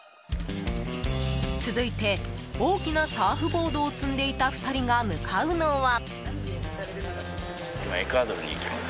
続いて、大きなサーフボードを積んでいた２人が向かうのは。